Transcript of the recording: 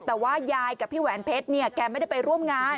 แต่ว่ายายกับพี่แหวนเพชรเนี่ยแกไม่ได้ไปร่วมงาน